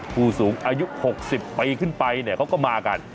ผู้สูงอายุ๖๐ปีขึ้นไปเนี่ยเขาก็มากัน